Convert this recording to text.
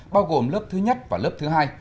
bao gồm lớp thứ nhất và lớp thứ hai